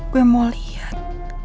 gue mau lihat